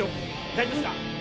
大丈夫ですか？